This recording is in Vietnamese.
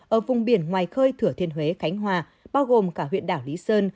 ở vùng biển ngoài khơi thừa thiên huế khánh hòa bao gồm cả huyện đảo lý sơn